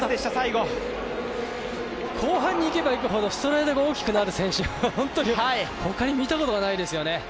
後半にいけばいくほどストライドが大きくなる選手は他に見たことがないですね。